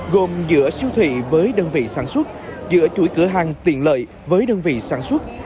gồm giữa siêu thị với đơn vị sản xuất giữa chuỗi cửa hàng tiện lợi với đơn vị sản xuất